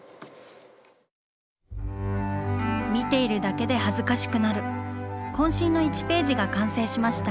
見ているだけで恥ずかしくなる渾身の１ページが完成しました。